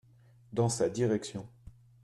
Dans sa direction.